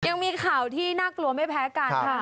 ยังมีข่าวที่น่ากลัวไม่แพ้กันค่ะ